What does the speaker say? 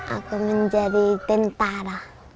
aku menjadi tentara